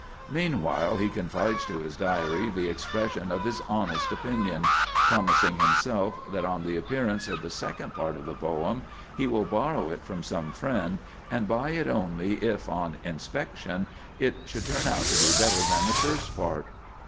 Meanwhile, he confides to his Diary the expression of his honest opinion, promising himself that, on the appearance of the second part of the poem, he will borrow it from some friend, and buy it only if, on inspection, it should turn out to be better than the first part.